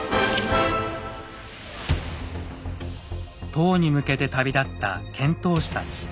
唐に向けて旅立った遣唐使たち。